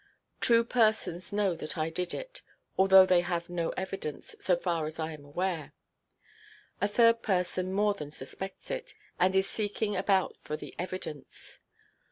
Two persons know that I did it, although they have no evidence, so far as I am aware; a third person more than suspects it, and is seeking about for the evidence.